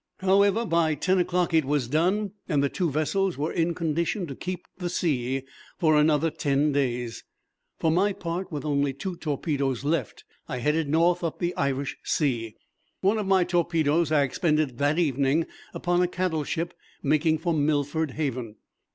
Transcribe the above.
However, by ten o'clock it was done, and the two vessels were in condition to keep the sea for another ten days. For my part, with only two torpedoes left, I headed north up the Irish Sea. One of my torpedoes I expended that evening upon a cattle ship making for Milford Haven.